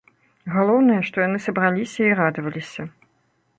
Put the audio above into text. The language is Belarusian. Галоўнае, што яны сабраліся і радаваліся.